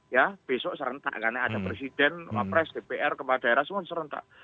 ya besok serentak karena ada presiden wapres dpr kepala daerah semua serentak